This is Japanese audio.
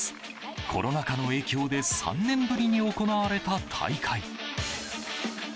コロナ禍の影響で３年ぶりに行われた大会。